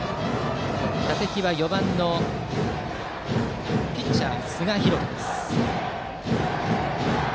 打席は４番のピッチャー、寿賀弘都です。